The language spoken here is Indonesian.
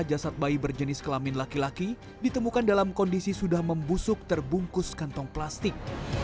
jasad bayi berjenis kelamin laki laki ditemukan dalam kondisi sudah membusuk terbungkus kantong plastik